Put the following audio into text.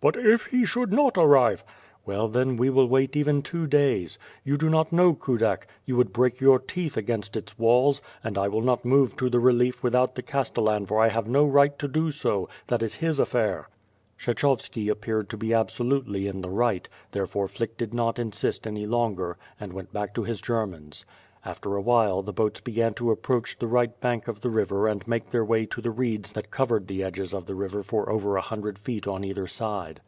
"But if he should not arrive?" "Well then we will wait even two days. You do not know Kudak; you would break your teeth against its walls, and I will not move to the relief without the Castellan for I have no right to do so. That is his aifair!" Kshechovski appeared to be absolutely in the right, there fore Flick did not insist any longer, and went back to his Germans. After a while, the boats began to approach the right bank of the river and to make their way into the reeds that covered the edges of the river for over a hundred feet on either side.